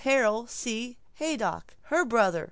Harold C. Haydock Her brother.